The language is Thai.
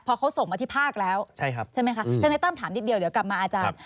พอเขาส่งมาที่ภาคแล้วใช่ไหมคะธนายตั้มถามนิดเดียวเดี๋ยวกลับมาอาจารย์